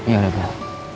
ya udah bel